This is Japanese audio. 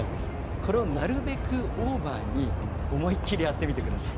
これをなるべくオーバーに思い切りやってみてください。